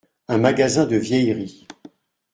Un magasin de vieilleries.